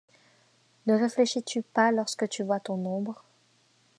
Ne réfléchis-tu pas lorsque tu vois ton ombre ?